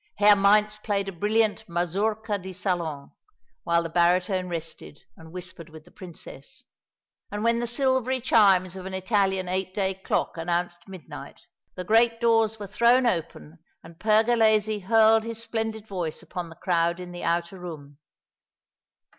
Herr Mainz played a brilliant "Mazourka de Salon," while the baritone rested and whispered with the Princess, and when the silvery chimes of an Italian eight day clock announced midnight, the great doors were thrown open and Pergolesi hurled his splendid voice upon the crowd in the outer room.